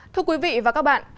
thưa quý vị và các bạn